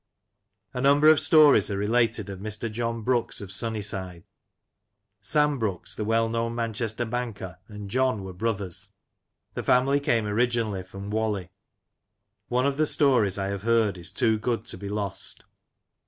A number of stories are related of Mr. John Brooks of Sunnyside. Sam Brooks, the well known Manchester banker, and John were brothers. The family came orig , inally from Whalley. One of the stories I have heard is too good to be lost.